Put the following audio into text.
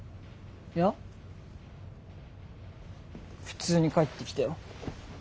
いや普通に帰ってきたよ。